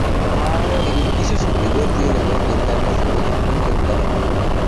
En el piso superior tiene dos ventanas de medio punto en cada lado.